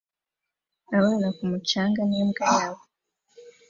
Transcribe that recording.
Abana ku mucanga n'imbwa yabo